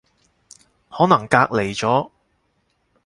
可能隔離咗